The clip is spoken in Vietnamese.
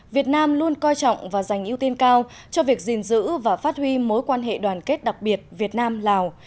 việt nam luôn coi trọng và dành ưu tiên cao cho việc gìn giữ và phát huy mối quan hệ đoàn kết đặc biệt việt nam lào